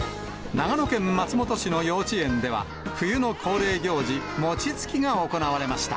長野県松本市の幼稚園では、冬の恒例行事、餅つきが行われました。